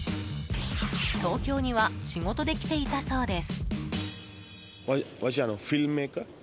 東京には仕事で来ていたそうです。